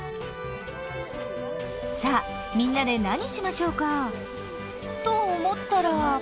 さあみんなで何しましょうか？と思ったら。